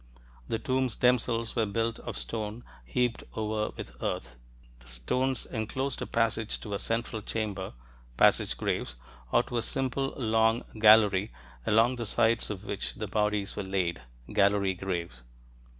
The tombs themselves were built of stone, heaped over with earth; the stones enclosed a passage to a central chamber ("passage graves"), or to a simple long gallery, along the sides of which the bodies were laid ("gallery graves").